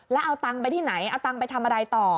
แล้วเอาตังค์ไปที่ไหนเอาตังค์ไปทำอะไรต่อ